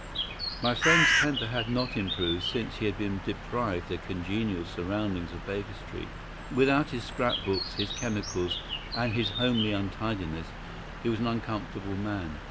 My friend's temper had not improved since he had been deprived of the congenial surroundings of Baker Street. Without his scrap books, his chemicals, and his homely untidiness, he was an uncomfortable man.